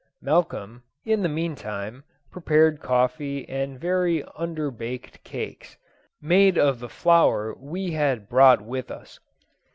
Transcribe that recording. Malcolm, in the meantime, prepared coffee and very under baked cakes, made of the flour we had brought with us.